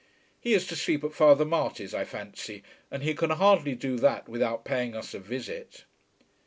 "He is to sleep at Father Marty's I fancy, and he can hardly do that without paying us a visit."